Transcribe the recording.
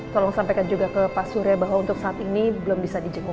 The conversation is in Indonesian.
tolong sampaikan juga ke pasur ya bahwa untuk saat ini belum bisa di jenguk